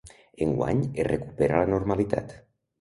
Enguany, es recupera la normalitat.